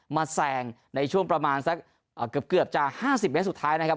แซงในช่วงประมาณสักเกือบจะ๕๐เมตรสุดท้ายนะครับ